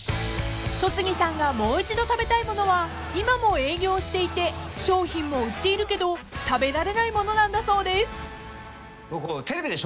［戸次さんがもう一度食べたいものは今も営業していて商品も売っているけど食べられないものなんだそうです］